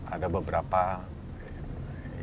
ada beberapa yang harus dibina